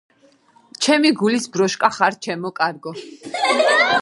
ჩემი გულის ბროშკვა ხარ ჩემო კარგო